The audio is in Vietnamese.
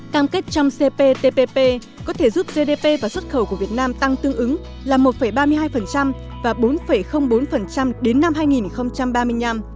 cam kết trong cptpp có thể giúp gdp và xuất khẩu của việt nam tăng tương ứng là một ba mươi hai và bốn bốn đến năm hai nghìn ba mươi năm